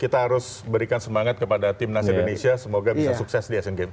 kita harus berikan semangat kepada timnas indonesia semoga bisa sukses di asian games